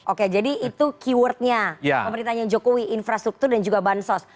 oke jadi itu keywordnya pemerintahnya jokowi infrastruktur dan juga bansos